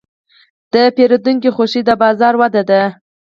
د پیرودونکي خوښي د بازار وده ده.